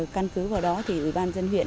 căn cứ vào đó thì ủy ban dân huyện